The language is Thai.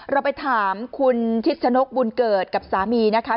เราไปถามคุณชิดชนกบุญเกิดกับสามีนะคะ